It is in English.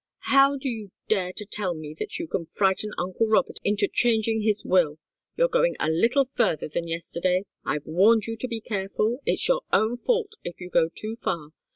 How do you dare to tell me that you can frighten uncle Robert into changing his will! You're going a little further than yesterday. I've warned you to be careful. It's your own fault if you go too far.